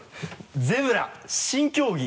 ゼブラ新競技。